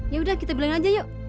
yaudah kita bilang aja yuk